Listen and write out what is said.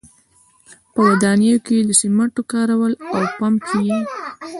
په ودانیو کې د سیمنټو کارول او پمپ یې و